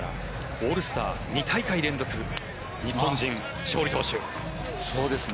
オールスター２大会連続日本人勝利投手。